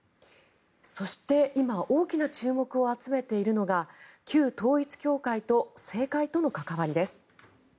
そして今大きな注目を集めているのは旧統一教会と政界との関わりです。